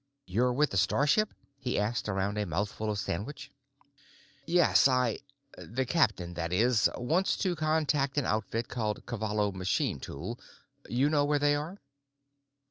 "You're with the starship?" he asked, around a mouthful of sandwich. "Yes. I—the captain, that is—wants to contact an outfit called Cavallo Machine Tool. You know where they are?"